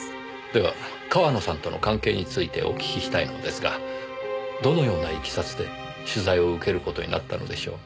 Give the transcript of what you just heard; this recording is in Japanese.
では川野さんとの関係についてお聞きしたいのですがどのようないきさつで取材を受ける事になったのでしょう？